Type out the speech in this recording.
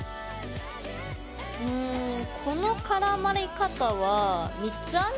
うんこの絡まり方は三つ編み？